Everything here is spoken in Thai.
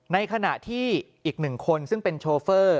ในขณะที่อีกหนึ่งคนซึ่งเป็นโชเฟอร์